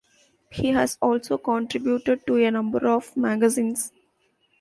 He has also contributed to a number of magazines.